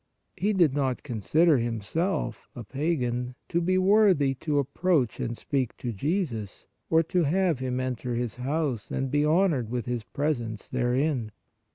He did not consider himself, a pagan, to be worthy to approach and speak to Jesus or to have Him enter his house and be honored with His presence therein.